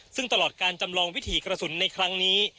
ซึ่งตลอดการจำลองวิถีกระสุนในครั้งนี้